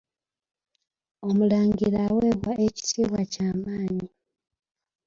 Omulangira aweebwa ekitiibwa kyamaanyi.